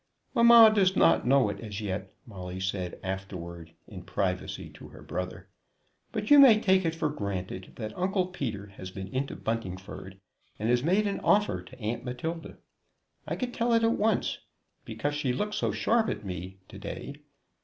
"Mamma does not know it as yet," Molly said afterward in privacy to her brother, "but you may take it for granted that Uncle Peter has been into Buntingford and has made an offer to Aunt Matilda. I could tell it at once, because she looked so sharp at me to day.